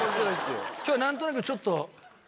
今日なんとなくちょっと。